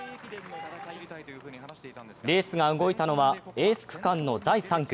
レースが動いたのは、エース区間の第３区。